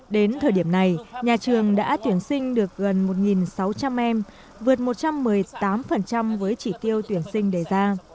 đến thời điểm này nhà trường đã tuyển sinh được gần một sáu trăm linh em vượt một trăm một mươi tám với chỉ tiêu tuyển sinh đề ra